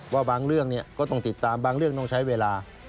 ว่าบางเรื่องก็ต้องติดตามบางเรื่องต้องใช้เวลา